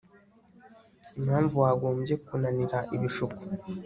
Impamvu wagombye kunanira ibishuko